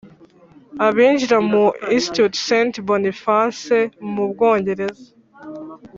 abinjiza muri Institut Saint Boniface mu bwongereza